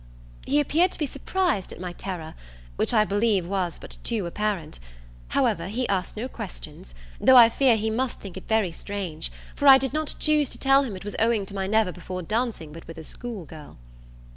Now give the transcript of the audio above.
He appeared to be surprised at my terror, which I believe was but too apparent: however, he asked no questions, though I fear he must think it very strange, for I did not choose to tell him it was owing to my never before dancing but with a school girl.